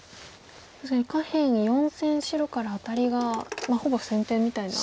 確かに下辺４線白からアタリがほぼ先手みたいな。